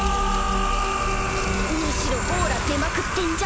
むしろオーラ出まくってんじゃね？